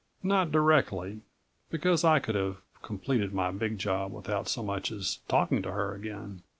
Not directly, because I could have completed my big job without so much as talking to her again.